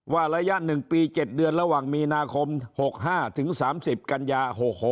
ระยะ๑ปี๗เดือนระหว่างมีนาคม๖๕ถึง๓๐กันยา๖๖